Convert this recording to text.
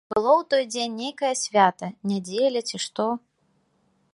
Было ў той дзень нейкае свята, нядзеля, ці што.